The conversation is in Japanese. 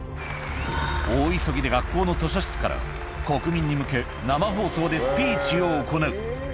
大急ぎで学校の図書室から、国民に向け、生放送でスピーチを行う。